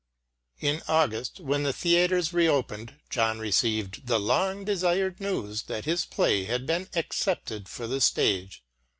In August, when the theatres re opened, John received the long desired news that his play had been accepted for the stage.